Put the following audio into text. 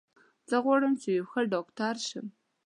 زه غواړم چې یو ښه ډاکټر شم